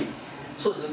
そうですね。